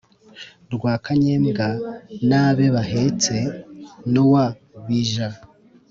Rwakanyembwa n’abe Bahetse nk’uwa Bija;